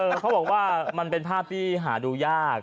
เขาบอกว่ามันเป็นภาพที่หาดูยาก